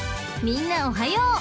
［みんなおはよう。